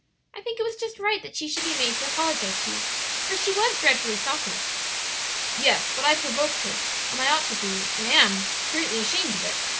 "I think it was just right that she should be made to apologize to you, for she was dreadfully saucy." "Yes; but I provoked her, and I ought to be, and am, greatly ashamed of it.